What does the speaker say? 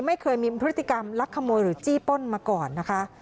ไม่เคยมีพฤติกรรมลักขโมยหรือจี้ป้นมาก่อนนะคะ